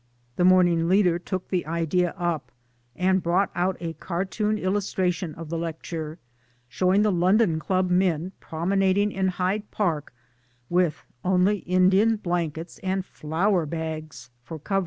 The 'Morning Leader took the idea up, and brought out a Cartoon illustration of the lecture, showing the London Club men promenading in Hyde Park with only Indian blankets and flour bags for coyer.